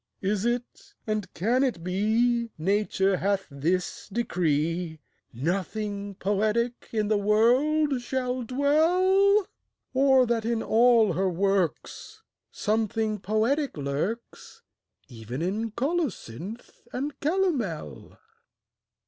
Is it, and can it be, Nature hath this decree, Nothing poetic in the world shall dwell? Or that in all her works Something poetic lurks, Even in colocynth and calomel?